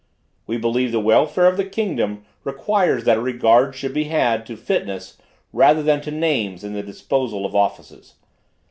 We believe the welfare of the kingdom requires that a regard should be had to fitness rather than to names, in the disposal of offices.